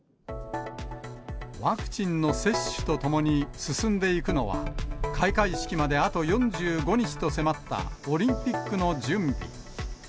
ワクチンの接種とともに進んでいくのは、開会式まであと４５日と迫ったオリンピックの準備。